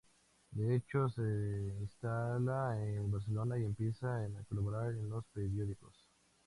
De hecho, se instala en Barcelona y empieza a colaborar en los periódicos.